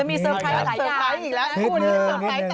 จะมีเซอร์ไพรหลายอย่าง